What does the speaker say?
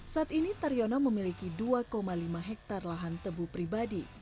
saat ini taryono memiliki dua lima hektare lahan tebu pribadi